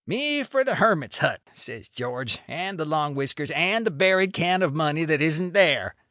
'Me for the hermit's hut,' says George, 'and the long whiskers, and the buried can of money that isn't there.